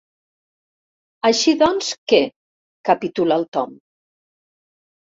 Així doncs, què? —capitula el Tom—.